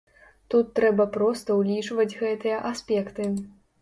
Тут трэба проста ўлічваць гэтыя аспекты.